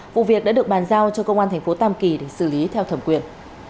vụ việc đã được bàn giao cho công an thành phố tam kỳ để xử lý theo thẩm quyền